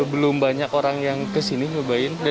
belum banyak orang yang kesini nyobain